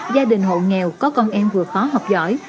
gia đình hộ nghèo có con em vừa khó học giỏi